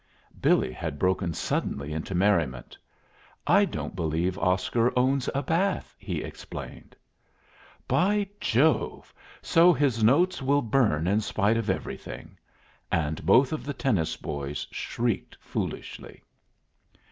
Billy had broken suddenly into merriment. "I don't believe Oscar owns a bath," he explained. "By Jove! so his notes will burn in spite of everything!" And both of the tennis boys shrieked foolishly.